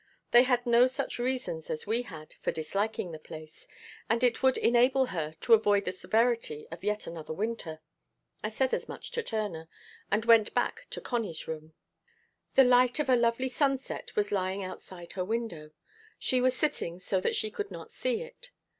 They had no such reasons as we had for disliking the place; and it would enable her to avoid the severity of yet another winter. I said as much to Turner, and went back to Connie's room. The light of a lovely sunset was lying outside her window. She was sitting so that she could not see it.